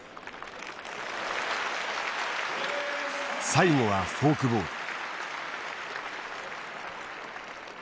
最後はフォークボール。